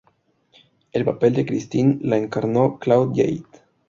El papel de Christine lo encarnó Claude Jade.